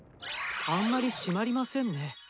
あんまり締まりませんね。